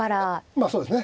まあそうですね。